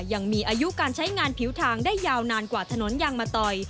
ยังมีอายุการใช้งานผิวทางได้ยาวนานกว่าถนนยางมะตอย